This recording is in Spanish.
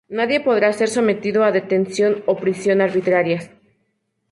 Nadie podrá ser sometido a detención o prisión arbitrarias.